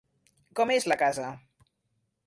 Com és la casa?